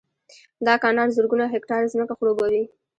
دا کانال زرګونه هکټاره ځمکه خړوبوي